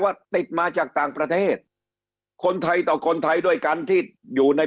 ว่าติดมาจากต่างประเทศคนไทยต่อคนไทยด้วยกันที่อยู่ใน